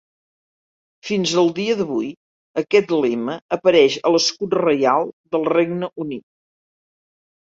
Fins al dia d'avui, aquest lema apareix a l'escut reial del Regne Unit.